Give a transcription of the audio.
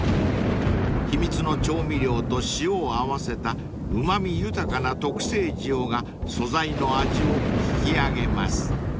［秘密の調味料と塩を合わせたうま味豊かな特製塩が素材の味を引き上げます］